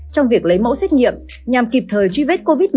trong việc lấy mẫu xét nghiệm nhằm kịp thời truy vết covid một mươi chín